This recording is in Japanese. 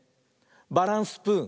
「バランスプーン」！